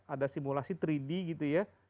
ada simulasi tiga d gitu ya